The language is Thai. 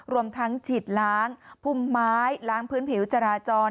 รวมทั้งฉีดล้างพุ่มไม้ล้างพื้นผิวจราจร